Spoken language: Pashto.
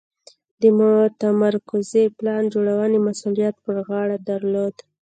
د متمرکزې پلان جوړونې مسوولیت پر غاړه درلود.